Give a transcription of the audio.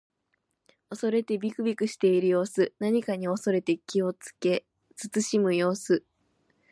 恐れてびくびくしている様子。何かに恐れて気をつけ慎む様子。